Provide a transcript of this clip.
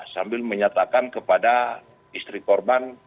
sambil menyatakan kepada istri korban